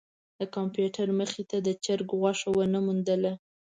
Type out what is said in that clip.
د کمپیوټر مخې ته د چرک غوښه ونه موندله.